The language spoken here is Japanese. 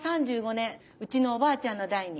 うちのおばあちゃんの代に。